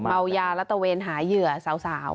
เมายาและตะเวนหาเหยื่อสาว